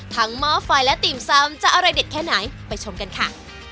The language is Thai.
หม้อไฟและติ่มซำจะอร่อยเด็ดแค่ไหนไปชมกันค่ะ